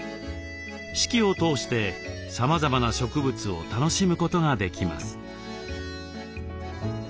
四季を通してさまざまな植物を楽しむことができます。